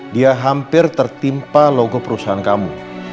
dia hampir tertimpa logo perusahaan kamu